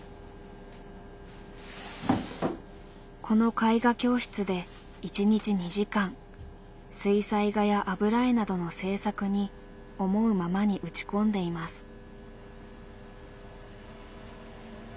この絵画教室で一日２時間水彩画や油絵などの制作に思うままに打ち込んでいます。